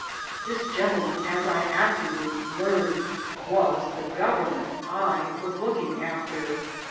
This gentleman, as I afterward learned, was the government I was looking after.